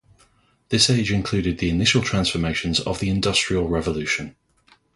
This age included the initial transformations of the Industrial Revolution.